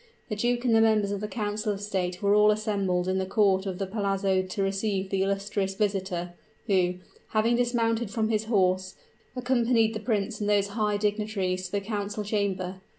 The duke and the members of the council of state were all assembled in the court of the Palazzo to receive the illustrious visitor, who, having dismounted from his horse, accompanied the prince and those high dignitaries to the council chamber.